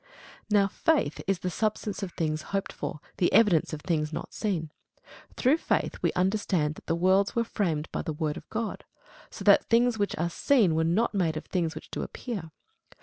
Now faith is the substance of things hoped for, the evidence of things not seen. Through faith we understand that the worlds were framed by the word of God, so that things which are seen were not made of things which do appear.